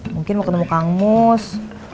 mungkin mau ketemu kamus